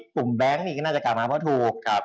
แบงค์นี่ก็น่าจะกลับมาเพราะถูก